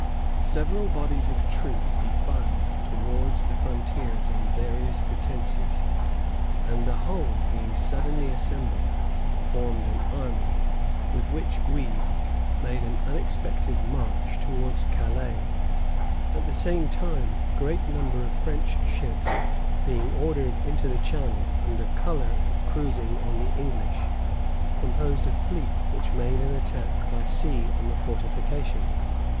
Several bodies of troops defiled towards the frontiers on various pretences; and the whole, being suddenly assembled, formed an army, with which Guise made an unexpected march towards Calais. At the same time, a great number of French ships, being ordered into the Channel, under color of cruising on the English, composed a fleet which made an attack by sea on the fortifications.